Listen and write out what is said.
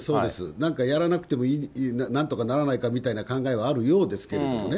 なんかやらなくてもなんとかならないかみたいな考えはあるようですけどもね。